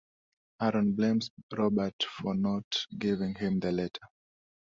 Aaron blames Robert for not giving him the letter.